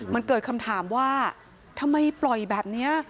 มันเกิดคำถามว่าทำไมปล่อยแบบนี้